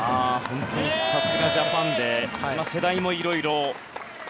さすがジャパンで世代もいろいろ。